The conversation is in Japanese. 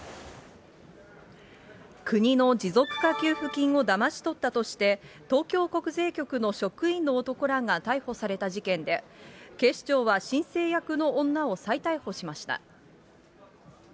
国の持続化給付金をだまし取ったとして、東京国税局の職員の男らが逮捕された事件で、警視庁は申請役の女を再逮捕しました。